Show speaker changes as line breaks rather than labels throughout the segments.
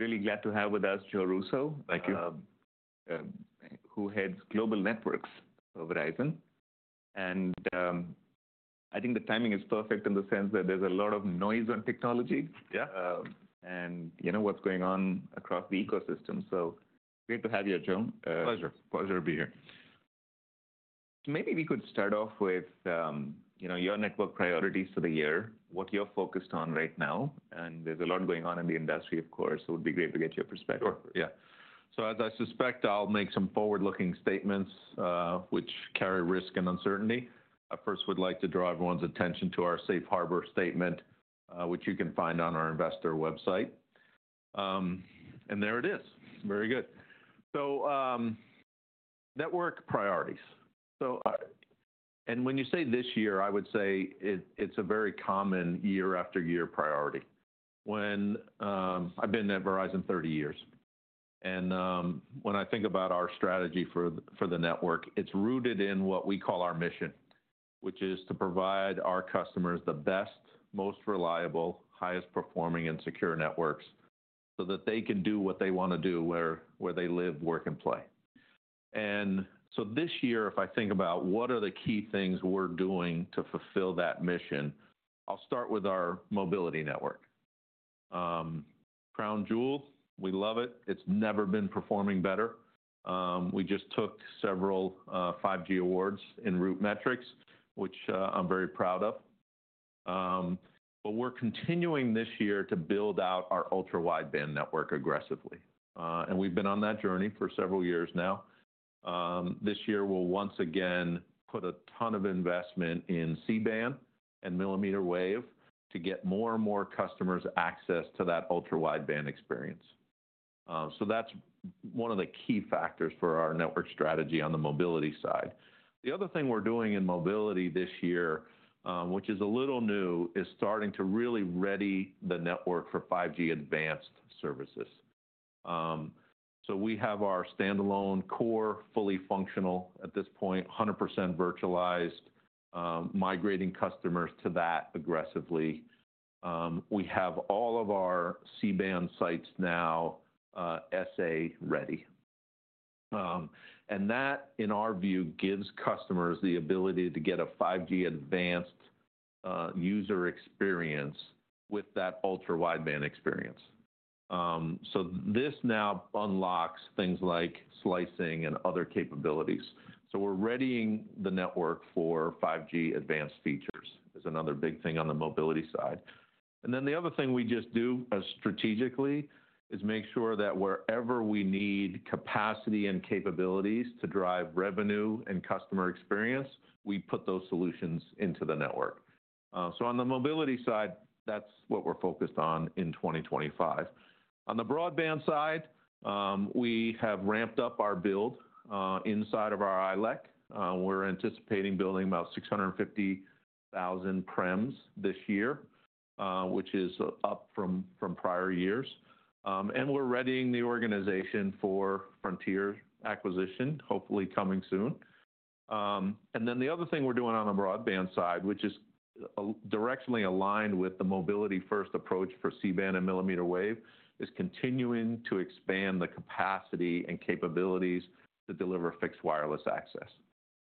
Really glad to have with us Joe Russo.
Thank you. Who heads Global Networks of Verizon? And I think the timing is perfect in the sense that there's a lot of noise on technology. Yeah. What's going on across the ecosystem. Great to have you, Joe. Pleasure. Pleasure to be here. Maybe we could start off with your network priorities for the year, what you're focused on right now, and there's a lot going on in the industry, of course, so it would be great to get your perspective. Sure. Yeah. So as I suspect, I'll make some forward-looking statements which carry risk and uncertainty. I first would like to draw everyone's attention to our safe harbor statement, which you can find on our investor website. And there it is. Very good. So network priorities. And when you say this year, I would say it's a very common year-after-year priority. I've been at Verizon 30 years. And when I think about our strategy for the network, it's rooted in what we call our mission, which is to provide our customers the best, most reliable, highest-performing, and secure networks so that they can do what they want to do where they live, work, and play. And so this year, if I think about what are the key things we're doing to fulfill that mission, I'll start with our mobility network. Crown Jewel, we love it. It's never been performing better. We just took several 5G awards in RootMetrics, which I'm very proud of. But we're continuing this year to build out our Ultra Wideband network aggressively. And we've been on that journey for several years now. This year, we'll once again put a ton of investment in C-band and millimeter wave to get more and more customers access to that Ultra Wideband experience. So that's one of the key factors for our network strategy on the mobility side. The other thing we're doing in mobility this year, which is a little new, is starting to really ready the network for 5G Advanced services. So we have our standalone core, fully functional at this point, 100% virtualized, migrating customers to that aggressively. We have all of our C-band sites now SA ready. And that, in our view, gives customers the ability to get a 5G Advanced user experience with that Ultra Wideband experience. So this now unlocks things like slicing and other capabilities. So we're readying the network for 5G advanced features is another big thing on the mobility side. And then the other thing we just do strategically is make sure that wherever we need capacity and capabilities to drive revenue and customer experience, we put those solutions into the network. So on the mobility side, that's what we're focused on in 2025. On the broadband side, we have ramped up our build inside of our ILEC. We're anticipating building about 650,000 premises this year, which is up from prior years. And we're readying the organization for Frontier acquisition, hopefully coming soon. And then the other thing we're doing on the broadband side, which is directionally aligned with the mobility-first approach for C-band and millimeter wave, is continuing to expand the capacity and capabilities to deliver fixed wireless access.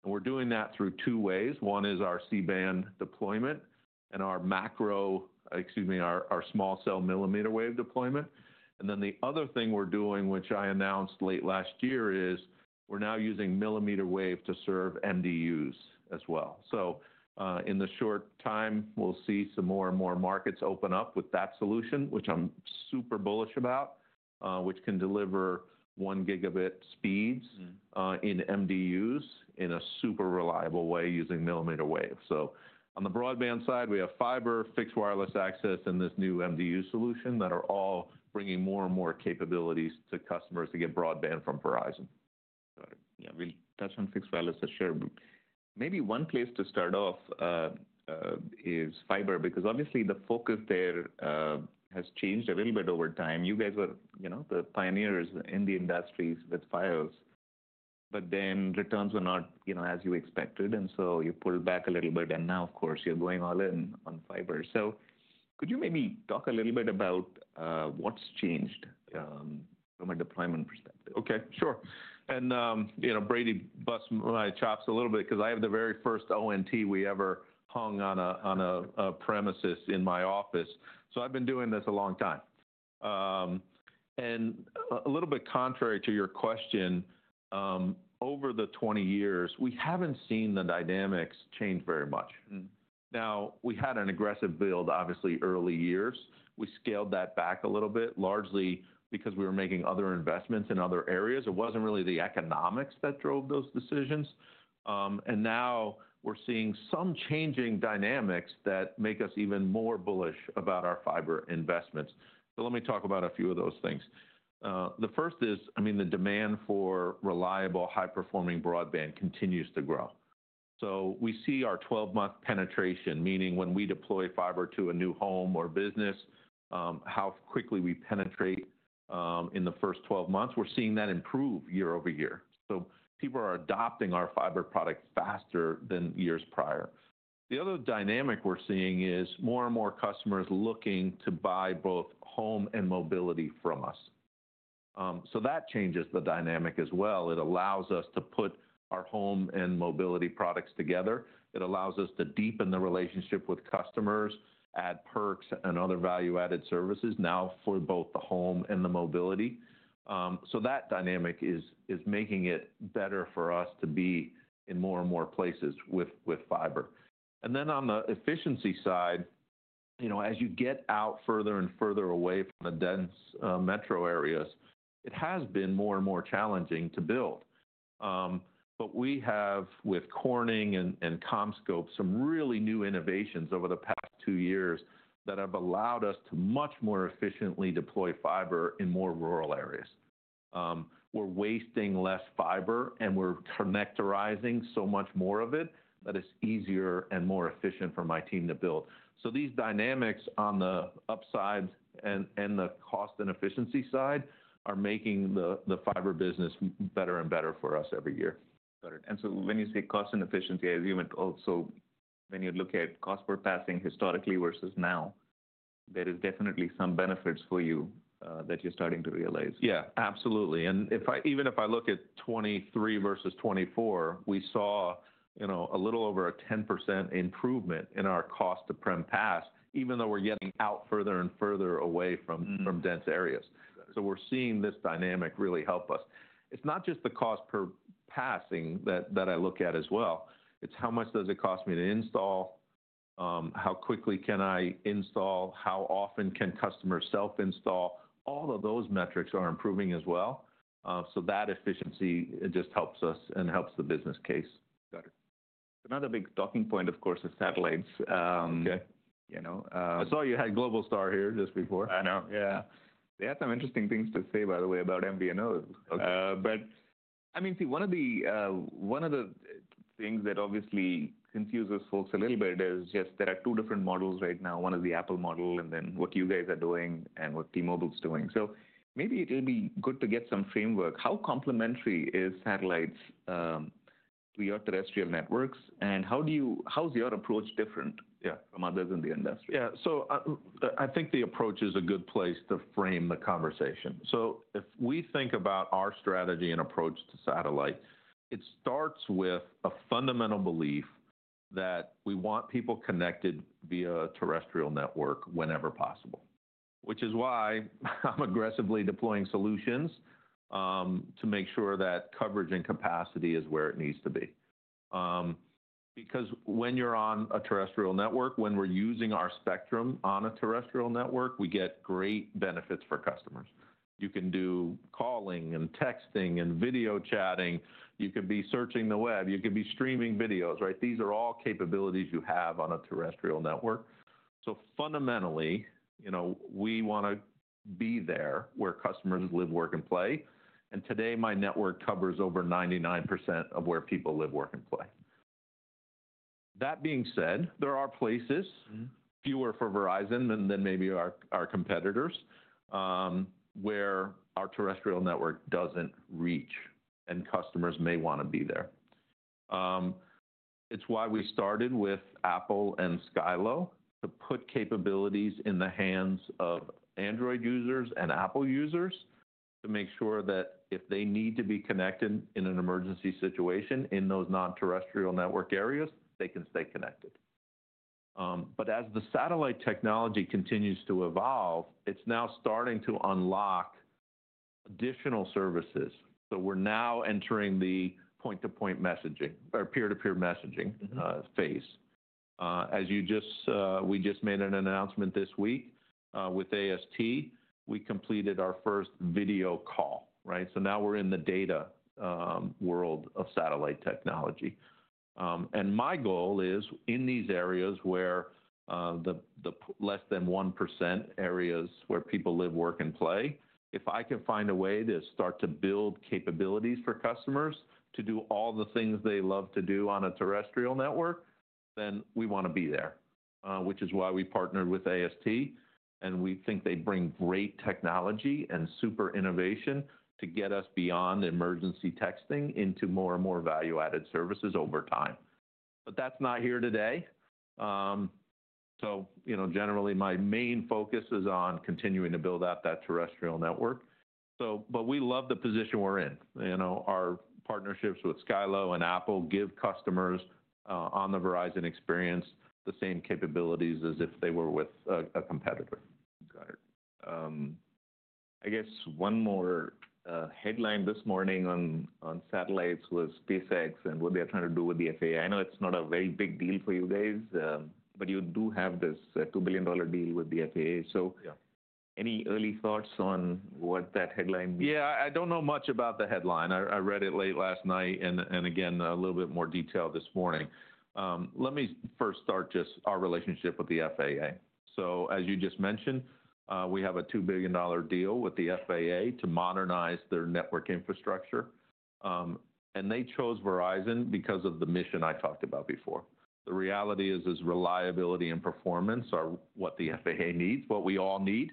We're doing that through two ways. One is our C-band deployment and our macro, excuse me, our small cell millimeter wave deployment. Then the other thing we're doing, which I announced late last year, is we're now using millimeter wave to serve MDUs as well. In the short time, we'll see some more and more markets open up with that solution, which I'm super bullish about, which can deliver one gigabit speeds in MDUs in a super reliable way using millimeter wave. On the broadband side, we have fiber, fixed wireless access, and this new MDU solution that are all bringing more and more capabilities to customers to get broadband from Verizon. Got it. Yeah. We'll touch on fixed wireless for sure. Maybe one place to start off is fiber because obviously the focus there has changed a little bit over time. You guys were the pioneers in the industry with Fios, but then returns were not as you expected, and so you pulled back a little bit, and now, of course, you're going all in on fiber. So could you maybe talk a little bit about what's changed from a deployment perspective? Okay. Sure. And Brady busts my chops a little bit because I have the very first ONT we ever hung on a premises in my office. So I've been doing this a long time. And a little bit contrary to your question, over the 20 years, we haven't seen the dynamics change very much. Now, we had an aggressive build, obviously, early years. We scaled that back a little bit, largely because we were making other investments in other areas. It wasn't really the economics that drove those decisions. And now we're seeing some changing dynamics that make us even more bullish about our fiber investments. So let me talk about a few of those things. The first is, I mean, the demand for reliable, high-performing broadband continues to grow. So we see our 12-month penetration, meaning when we deploy fiber to a new home or business, how quickly we penetrate in the first 12 months, we're seeing that improve year over year. So people are adopting our fiber product faster than years prior. The other dynamic we're seeing is more and more customers looking to buy both home and mobility from us. So that changes the dynamic as well. It allows us to put our home and mobility products together. It allows us to deepen the relationship with customers, add perks, and other value-added services now for both the home and the mobility. So that dynamic is making it better for us to be in more and more places with fiber. And then on the efficiency side, as you get out further and further away from the dense metro areas, it has been more and more challenging to build. But we have, with Corning and CommScope, some really new innovations over the past two years that have allowed us to much more efficiently deploy fiber in more rural areas. We're wasting less fiber, and we're connectorizing so much more of it that it's easier and more efficient for my team to build. So these dynamics on the upside and the cost and efficiency side are making the fiber business better and better for us every year. Got it. And so when you say cost and efficiency, I assume it also when you look at cost per passing historically versus now, there is definitely some benefits for you that you're starting to realize. Yeah. Absolutely. And even if I look at 2023 versus 2024, we saw a little over a 10% improvement in our cost to prem pass, even though we're getting out further and further away from dense areas. So we're seeing this dynamic really help us. It's not just the cost per passing that I look at as well. It's how much does it cost me to install, how quickly can I install, how often can customers self-install. All of those metrics are improving as well. So that efficiency just helps us and helps the business case. Got it. Another big talking point, of course, is satellites. Okay. I saw you had Globalstar here just before. I know. Yeah. They had some interesting things to say, by the way, about MVNO. But I mean, see, one of the things that obviously confuses folks a little bit is just there are two different models right now. One is the Apple model, and then what you guys are doing and what T-Mobile's doing. So maybe it will be good to get some framework. How complementary is satellites to your terrestrial networks, and how's your approach different from others in the industry? Yeah. So I think the approach is a good place to frame the conversation. So if we think about our strategy and approach to satellite, it starts with a fundamental belief that we want people connected via a terrestrial network whenever possible, which is why I'm aggressively deploying solutions to make sure that coverage and capacity is where it needs to be. Because when you're on a terrestrial network, when we're using our spectrum on a terrestrial network, we get great benefits for customers. You can do calling and texting and video chatting. You can be searching the web. You can be streaming videos, right? These are all capabilities you have on a terrestrial network. So fundamentally, we want to be there where customers live, work, and play. And today, my network covers over 99% of where people live, work, and play. That being said, there are places, fewer for Verizon than maybe our competitors, where our terrestrial network doesn't reach and customers may want to be there. It's why we started with Apple and Skylo to put capabilities in the hands of Android users and Apple users to make sure that if they need to be connected in an emergency situation in those non-terrestrial network areas, they can stay connected. But as the satellite technology continues to evolve, it's now starting to unlock additional services. So we're now entering the point-to-point messaging or peer-to-peer messaging phase. As we just made an announcement this week with AST, we completed our first video call, right? So now we're in the data world of satellite technology. My goal is in these areas where the less than 1% areas where people live, work, and play, if I can find a way to start to build capabilities for customers to do all the things they love to do on a terrestrial network, then we want to be there, which is why we partnered with AST. We think they bring great technology and super innovation to get us beyond emergency texting into more and more value-added services over time. That's not here today. Generally, my main focus is on continuing to build out that terrestrial network. We love the position we're in. Our partnerships with Skylo and Apple give customers on the Verizon experience the same capabilities as if they were with a competitor. Got it. I guess one more headline this morning on satellites was SpaceX and what they're trying to do with the FAA. I know it's not a very big deal for you guys, but you do have this $2 billion deal with the FAA. So any early thoughts on what that headline means? Yeah. I don't know much about the headline. I read it late last night and again, a little bit more detail this morning. Let me first start just our relationship with the FAA. So as you just mentioned, we have a $2 billion deal with the FAA to modernize their network infrastructure. And they chose Verizon because of the mission I talked about before. The reality is reliability and performance are what the FAA needs, what we all need.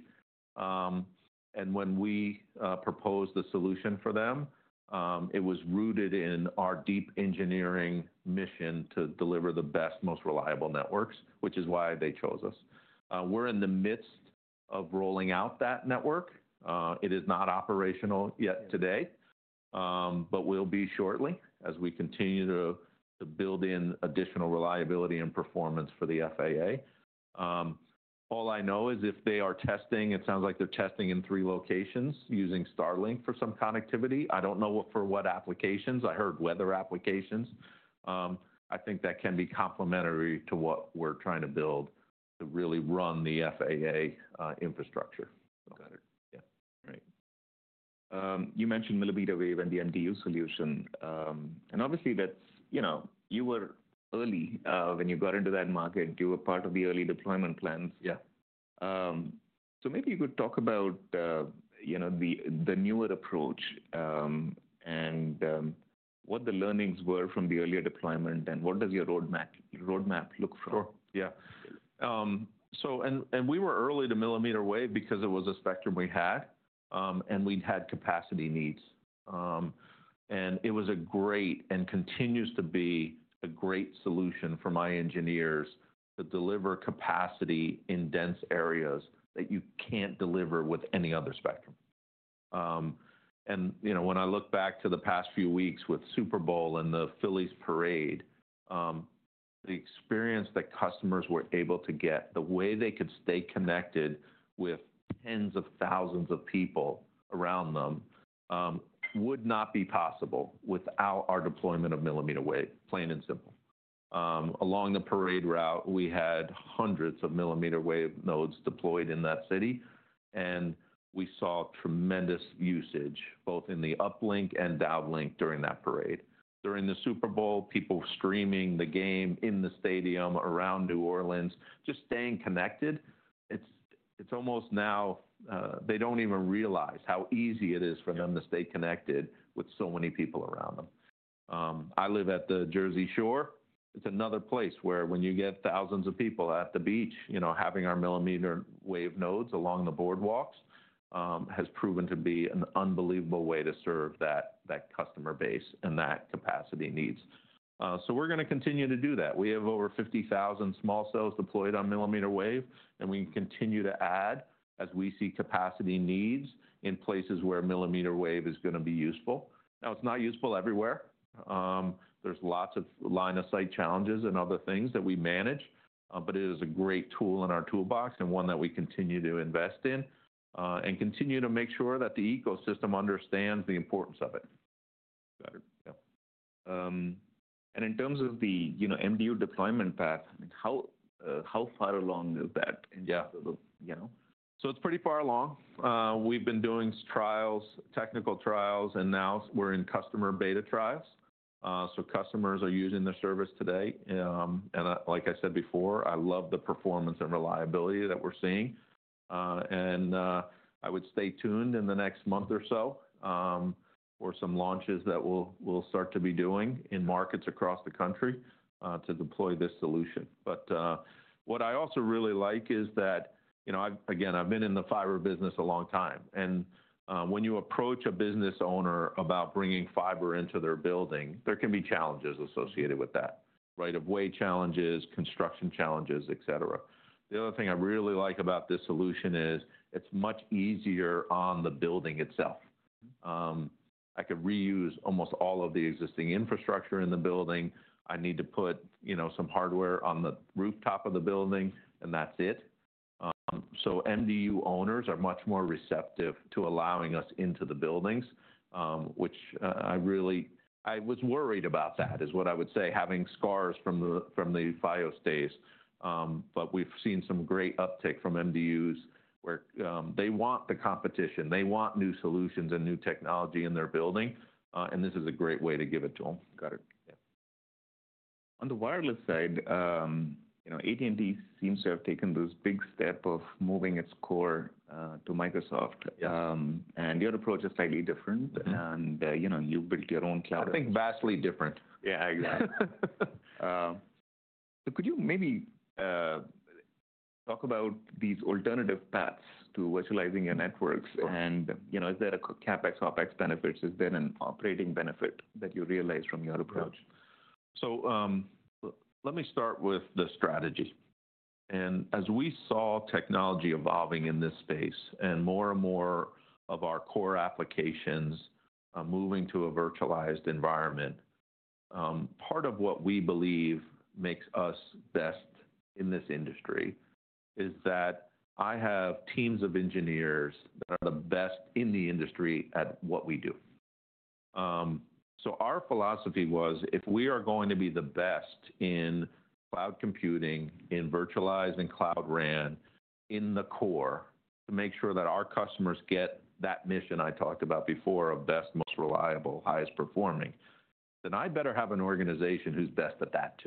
And when we proposed the solution for them, it was rooted in our deep engineering mission to deliver the best, most reliable networks, which is why they chose us. We're in the midst of rolling out that network. It is not operational yet today, but we'll be shortly as we continue to build in additional reliability and performance for the FAA. All I know is if they are testing, it sounds like they're testing in three locations using Starlink for some connectivity. I don't know for what applications. I heard weather applications. I think that can be complementary to what we're trying to build to really run the FAA infrastructure. Got it. Yeah. Right. You mentioned a little bit of the MDU solution. And obviously, you were early when you got into that market. You were part of the early deployment plans. So maybe you could talk about the newer approach and what the learnings were from the earlier deployment and what does your roadmap look for? Sure. Yeah, and we were early to millimeter wave because it was a spectrum we had, and we had capacity needs, and it was a great and continues to be a great solution for my engineers to deliver capacity in dense areas that you can't deliver with any other spectrum. And when I look back to the past few weeks with Super Bowl and the Phillies parade, the experience that customers were able to get, the way they could stay connected with tens of thousands of people around them would not be possible without our deployment of millimeter wave, plain and simple. Along the parade route, we had hundreds of millimeter wave nodes deployed in that city, and we saw tremendous usage both in the uplink and downlink during that parade. During the Super Bowl, people streaming the game in the stadium around New Orleans, just staying connected. It's almost now, they don't even realize how easy it is for them to stay connected with so many people around them. I live at the Jersey Shore. It's another place where when you get thousands of people at the beach, having our millimeter wave nodes along the boardwalks has proven to be an unbelievable way to serve that customer base and that capacity needs. So we're going to continue to do that. We have over 50,000 small cells deployed on millimeter wave, and we continue to add as we see capacity needs in places where millimeter wave is going to be useful. Now, it's not useful everywhere. There's lots of line-of-sight challenges and other things that we manage, but it is a great tool in our toolbox and one that we continue to invest in and continue to make sure that the ecosystem understands the importance of it. Got it. Yeah, and in terms of the MDU deployment path, how far along is that in terms of? So it's pretty far along. We've been doing trials, technical trials, and now we're in customer beta trials. So customers are using the service today. And like I said before, I love the performance and reliability that we're seeing. And I would stay tuned in the next month or so for some launches that we'll start to be doing in markets across the country to deploy this solution. But what I also really like is that, again, I've been in the fiber business a long time. And when you approach a business owner about bringing fiber into their building, there can be challenges associated with that, right, of weight challenges, construction challenges, etc. The other thing I really like about this solution is it's much easier on the building itself. I could reuse almost all of the existing infrastructure in the building. I need to put some hardware on the rooftop of the building, and that's it. So MDU owners are much more receptive to allowing us into the buildings, which I really was worried about. That is what I would say, having scars from the Fios days. But we've seen some great uptick from MDUs where they want the competition. They want new solutions and new technology in their building. And this is a great way to give it to them. Got it. Yeah. On the wireless side, AT&T seems to have taken this big step of moving its core to Microsoft, and your approach is slightly different, and you've built your own cloud. I think vastly different. Yeah. Exactly. So could you maybe talk about these alternative paths to virtualizing your networks? And is there a CapEx, OpEx benefit? Is there an operating benefit that you realize from your approach? So let me start with the strategy. And as we saw technology evolving in this space and more and more of our core applications moving to a virtualized environment, part of what we believe makes us best in this industry is that I have teams of engineers that are the best in the industry at what we do. So our philosophy was if we are going to be the company in cloud computing, in virtualized and cloud RAN in the core to make sure that our customers get that mission I talked about before of best, most reliable, highest performing, then I better have an organization who's best at that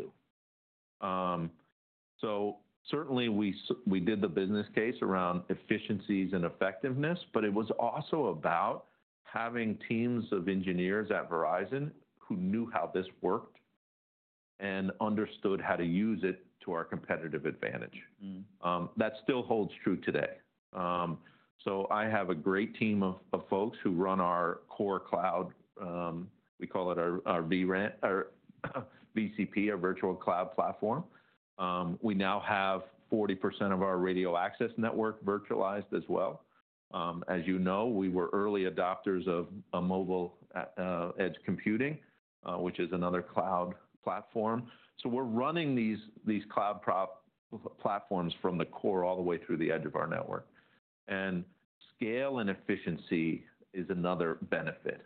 too. So certainly, we did the business case around efficiencies and effectiveness, but it was also about having teams of engineers at Verizon who knew how this worked and understood how to use it to our competitive advantage. That still holds true today. So I have a great team of folks who run our core cloud. We call it our VCP, our virtual cloud platform. We now have 40% of our radio access network virtualized as well. As you know, we were early adopters of mobile edge computing, which is another cloud platform. So we're running these cloud platforms from the core all the way through the edge of our network. And scale and efficiency is another benefit.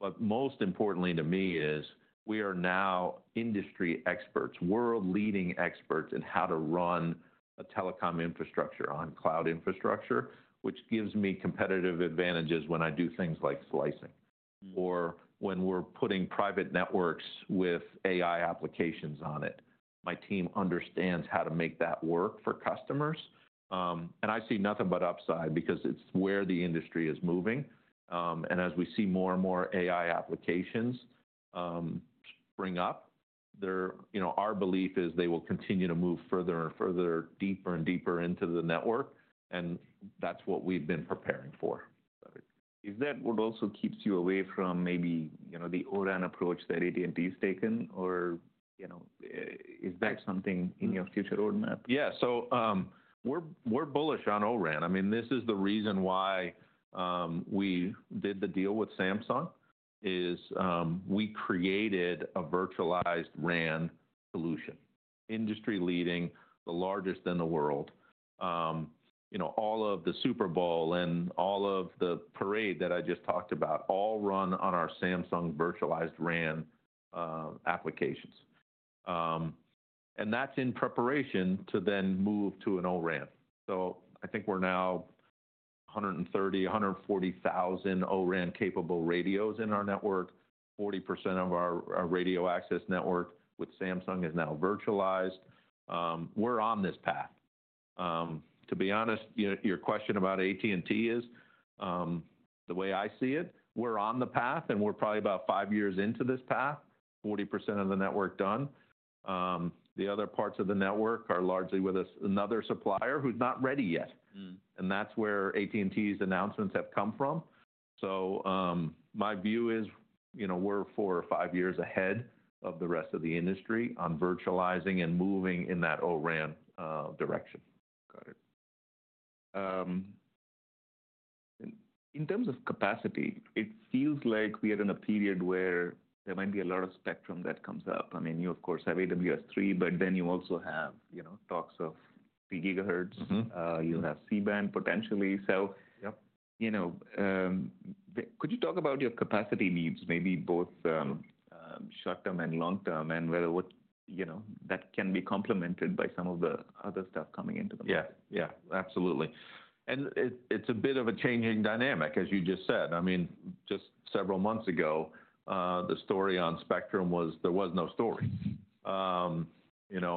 But most importantly to me is we are now industry experts, world-leading experts in how to run a telecom infrastructure on cloud infrastructure, which gives me competitive advantages when I do things like slicing or when we're putting private networks with AI applications on it. My team understands how to make that work for customers. And I see nothing but upside because it's where the industry is moving. As we see more and more AI applications spring up, our belief is they will continue to move further and further, deeper and deeper into the network. That's what we've been preparing for. Is that what also keeps you away from maybe the O-RAN approach that AT&T has taken? Or is that something in your future roadmap? Yeah. So we're bullish on O-RAN. I mean, this is the reason why we did the deal with Samsung is we created a virtualized RAN solution, industry-leading, the largest in the world. All of the Super Bowl and all of the parade that I just talked about all run on our Samsung virtualized RAN applications. And that's in preparation to then move to an O-RAN. So I think we're now 130,000, 140,000 O-RAN-capable radios in our network. 40% of our radio access network with Samsung is now virtualized. We're on this path. To be honest, your question about AT&T is the way I see it. We're on the path, and we're probably about five years into this path, 40% of the network done. The other parts of the network are largely with another supplier who's not ready yet. And that's where AT&T's announcements have come from. So my view is we're four or five years ahead of the rest of the industry on virtualizing and moving in that O-RAN direction. Got it. In terms of capacity, it feels like we are in a period where there might be a lot of spectrum that comes up. I mean, you, of course, have AWS-3, but then you also have talks of three gigahertz. You have C-band potentially. So could you talk about your capacity needs, maybe both short-term and long-term, and whether that can be complemented by some of the other stuff coming into the market? Yeah. Yeah. Absolutely. And it's a bit of a changing dynamic, as you just said. I mean, just several months ago, the story on spectrum was there was no story.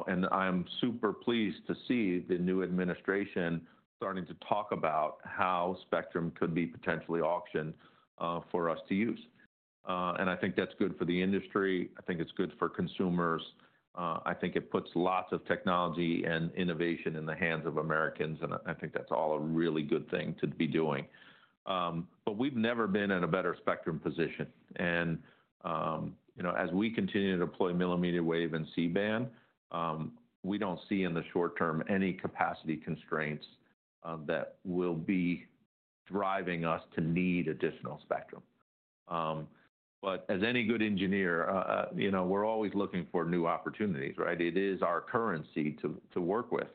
And I'm super pleased to see the new administration starting to talk about how spectrum could be potentially auctioned for us to use. And I think that's good for the industry. I think it's good for consumers. I think it puts lots of technology and innovation in the hands of Americans. And I think that's all a really good thing to be doing. But we've never been in a better spectrum position. And as we continue to deploy millimeter wave and C-b and, we don't see in the short term any capacity constraints that will be driving us to need additional spectrum. But as any good engineer, we're always looking for new opportunities, right? It is our currency to work with.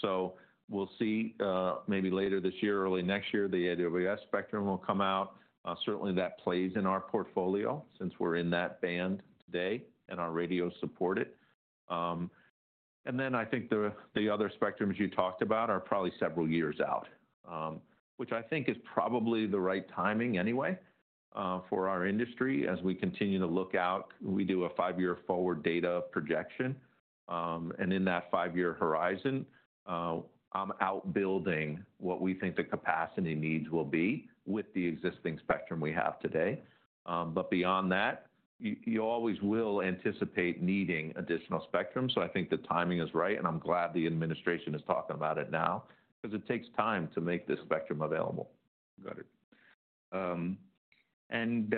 So we'll see maybe later this year, early next year, the AWS spectrum will come out. Certainly, that plays in our portfolio since we're in that band today and our radios support it. And then I think the other spectrums you talked about are probably several years out, which I think is probably the right timing anyway for our industry as we continue to look out. We do a five-year forward data projection. And in that five-year horizon, I'm outbuilding what we think the capacity needs will be with the existing spectrum we have today. But beyond that, you always will anticipate needing additional spectrum. So I think the timing is right. And I'm glad the administration is talking about it now because it takes time to make this spectrum available. Got it. And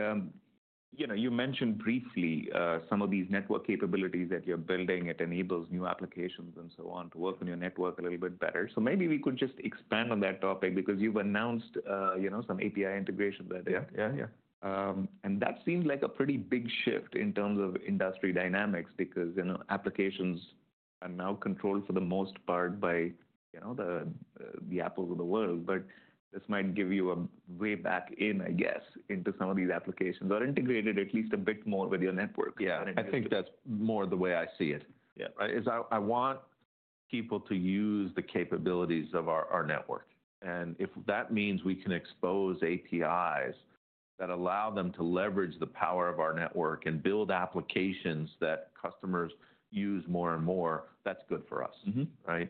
you mentioned briefly some of these network capabilities that you're building. It enables new applications and so on to work on your network a little bit better. So maybe we could just expand on that topic because you've announced some API integration there. And that seems like a pretty big shift in terms of industry dynamics because applications are now controlled for the most part by the Apples of the world. But this might give you a way back in, I guess, into some of these applications or integrated at least a bit more with your network. Yeah. I think that's more the way I see it. I want people to use the capabilities of our network, and if that means we can expose APIs that allow them to leverage the power of our network and build applications that customers use more and more, that's good for us, right?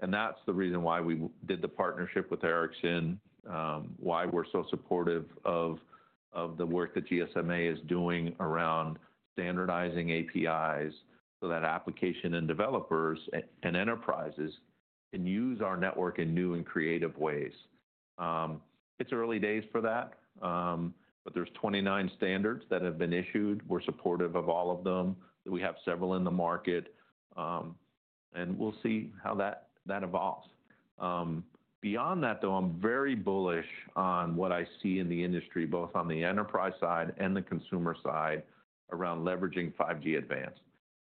And that's the reason why we did the partnership with Ericsson, why we're so supportive of the work that GSMA is doing around standardizing APIs so that applications and developers and enterprises can use our network in new and creative ways. It's early days for that, but there's 29 standards that have been issued. We're supportive of all of them. We have several in the market, and we'll see how that evolves. Beyond that, though, I'm very bullish on what I see in the industry, both on the enterprise side and the consumer side around leveraging 5G Advanced.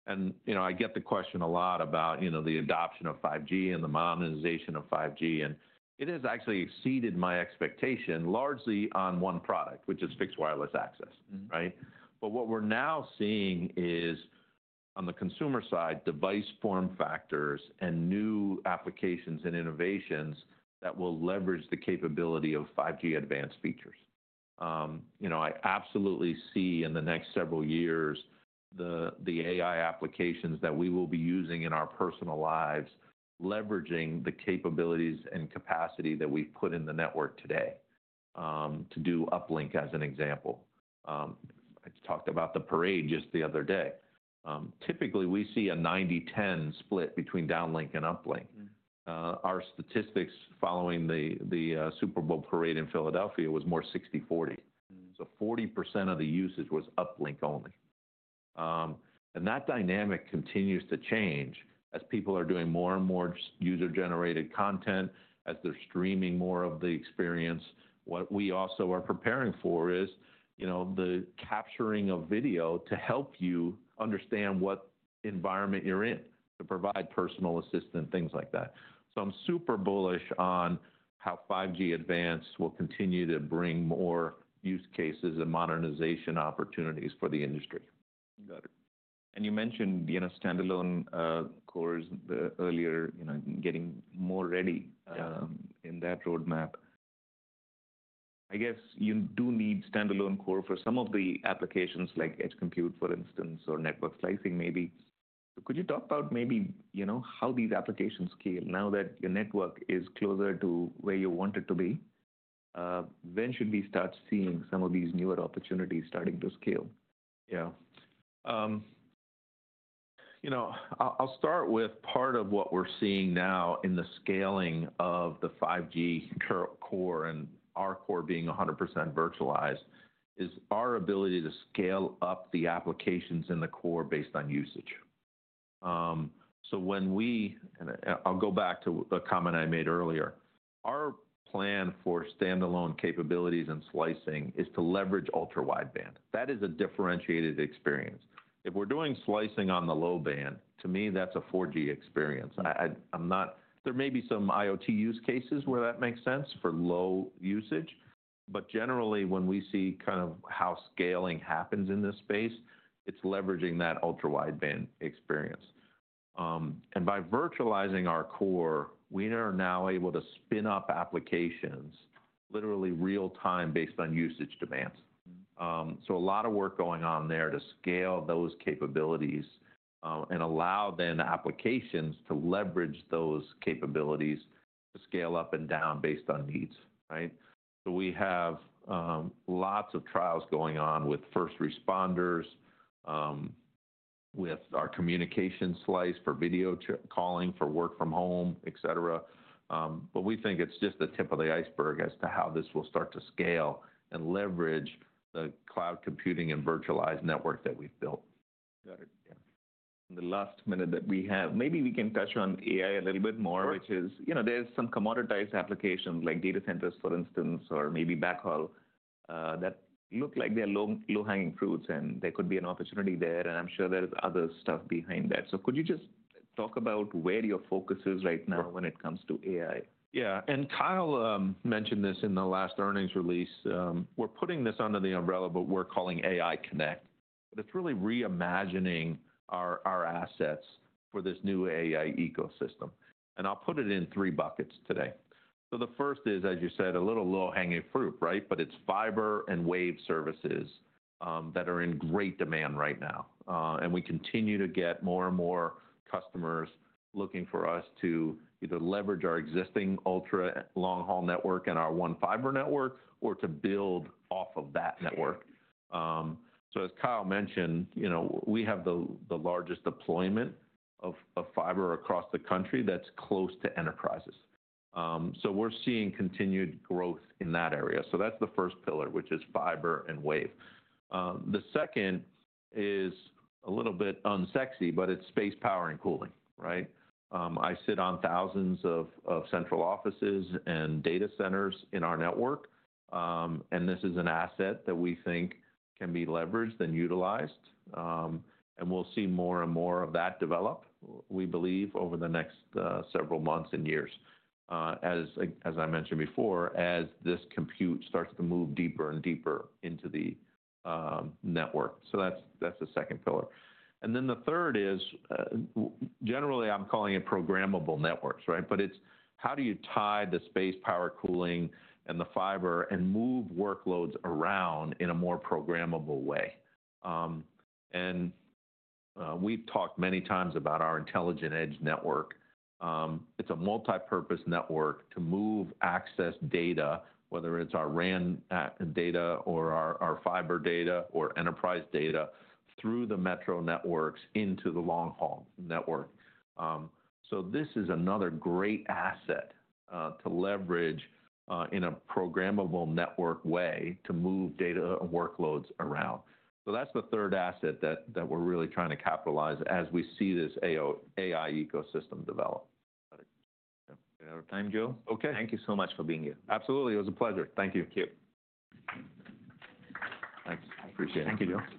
And I get the question a lot about the adoption of 5G and the modernization of 5G. And it has actually exceeded my expectation largely on one product, which is Fixed Wireless Access, right? But what we're now seeing is on the consumer side, device form factors and new applications and innovations that will leverage the capability of 5G Advanced features. I absolutely see in the next several years the AI applications that we will be using in our personal lives, leveraging the capabilities and capacity that we've put in the network today to do uplink as an example. I talked about the parade just the other day. Typically, we see a 90-10 split between downlink and uplink. Our statistics following the Super Bowl parade in Philadelphia was more 60-40. So 40% of the usage was uplink only. And that dynamic continues to change as people are doing more and more user-generated content, as they're streaming more of the experience. What we also are preparing for is the capturing of video to help you understand what environment you're in, to provide personal assistant, things like that. So I'm super bullish on how 5G Advanced will continue to bring more use cases and modernization opportunities for the industry. Got it. And you mentioned standalone cores earlier, getting more ready in that roadmap. I guess you do need standalone core for some of the applications like edge compute, for instance, or network slicing maybe. So could you talk about maybe how these applications scale now that your network is closer to where you want it to be? When should we start seeing some of these newer opportunities starting to scale? Yeah. I'll start with part of what we're seeing now in the scaling of the 5G core and our core being 100% virtualized is our ability to scale up the applications in the core based on usage. So when we, and I'll go back to a comment I made earlier, our plan for standalone capabilities and slicing is to leverage Ultra Wideband. That is a differentiated experience. If we're doing slicing on the low band, to me, that's a 4G experience. There may be some IoT use cases where that makes sense for low usage. But generally, when we see kind of how scaling happens in this space, it's leveraging that Ultra Wideband experience, and by virtualizing our core, we are now able to spin up applications literally real-time based on usage demands. So a lot of work going on there to scale those capabilities and allow the applications to leverage those capabilities to scale up and down based on needs, right? So we have lots of trials going on with first responders, with our communication slice for video calling, for work from home, etc. But we think it's just the tip of the iceberg as to how this will start to scale and leverage the cloud computing and virtualized network that we've built. Got it. In the last minute that we have, maybe we can touch on AI a little bit more, which is there's some commoditized applications like data centers, for instance, or maybe backhaul that look like they're low-hanging fruits, and there could be an opportunity there. And I'm sure there's other stuff behind that. So could you just talk about where your focus is right now when it comes to AI? Yeah. And Kyle mentioned this in the last earnings release. We're putting this under the umbrella, but we're calling AI Connect. But it's really reimagining our assets for this new AI ecosystem. And I'll put it in three buckets today. So the first is, as you said, a little low-hanging fruit, right? But it's fiber and wave services that are in great demand right now. And we continue to get more and more customers looking for us to either leverage our existing ultra long-haul network and our One Fiber network or to build off of that network. So as Kyle mentioned, we have the largest deployment of fiber across the country that's close to enterprises. So we're seeing continued growth in that area. So that's the first pillar, which is fiber and wave. The second is a little bit unsexy, but it's space, power, and cooling, right? I sit on thousands of central offices and data centers in our network. And this is an asset that we think can be leveraged and utilized. And we'll see more and more of that develop, we believe, over the next several months and years, as I mentioned before, as this compute starts to move deeper and deeper into the network. So that's the second pillar. And then the third is, generally, I'm calling it programmable networks, right? But it's how do you tie the space, power, cooling, and the fiber and move workloads around in a more programmable way? And we've talked many times about our Intelligent Edge Network. It's a multipurpose network to move access data, whether it's our RAN data or our fiber data or enterprise data through the metro networks into the long-haul network. So this is another great asset to leverage in a programmable network way to move data and workloads around. So that's the third asset that we're really trying to capitalize as we see this AI ecosystem develop. Got it. Got time, Joe? Okay. Thank you so much for being here. Absolutely. It was a pleasure. Thank you. Thank you. Thanks. Appreciate it. Thank you, Joe.